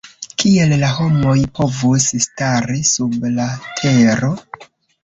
Kiel la homoj povus stari sub la tero?